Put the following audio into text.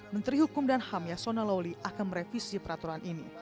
menteri hukum dan ham yasona lawli akan merevisi peraturan ini